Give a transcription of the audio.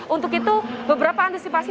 untuk itu beberapa antisipasi